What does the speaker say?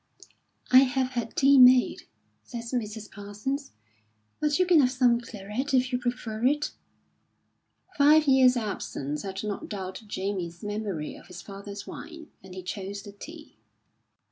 "I have had tea made," said Mrs. Parsons, "but you can have some claret, if you prefer it." Five years' absence had not dulled Jamie's memory of his father's wine, and he chose the tea.